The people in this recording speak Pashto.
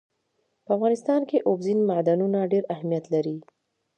په افغانستان کې اوبزین معدنونه ډېر اهمیت لري.